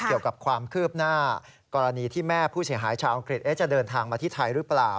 เกี่ยวกับความคืบหน้ากรณีที่แม่ผู้เสียหายชาวอังกฤษจะเดินทางมาที่ไทยหรือเปล่า